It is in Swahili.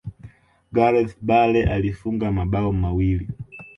gareth bale alifunga mabao mawili